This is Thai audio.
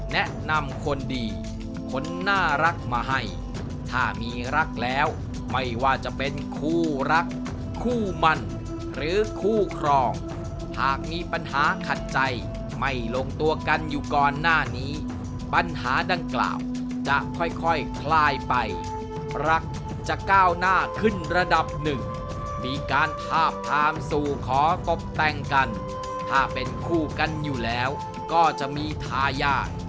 แนะนำคนดีคนน่ารักมาให้ถ้ามีรักแล้วไม่ว่าจะเป็นคู่รักคู่มั่นหรือคู่ครองหากมีปัญหาขัดใจไม่ลงตัวกันอยู่ก่อนหน้านี้ปัญหาดังกล่าวจะค่อยคลายไปรักจะก้าวหน้าขึ้นระดับหนึ่งมีการทาบทามสู่ขอตบแต่งกันถ้าเป็นคู่กันอยู่แล้วก็จะมีทายาท